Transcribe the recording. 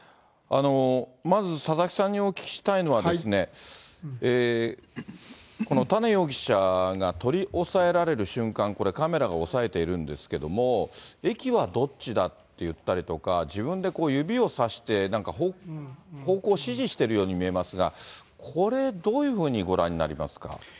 まず佐々木さんにお聞きしたいのは、この多禰容疑者が取り押さえられる瞬間、これ、カメラが押さえているんですけれども、駅はどっちだって言ったりとか、自分で指をさして、なんか方向を指示しているように見えますが、これ、どういうふうにご覧になりますか？